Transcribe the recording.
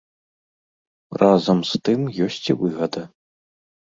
Разам з тым ёсць і выгада.